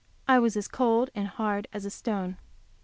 I was as cold and hard as a stone.